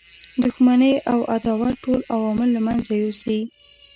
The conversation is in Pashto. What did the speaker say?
دښمنی او عداوت ټول عوامل له منځه یوسي.